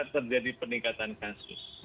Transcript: terjadi peningkatan kasus